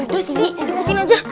iy udah sih ikutin aja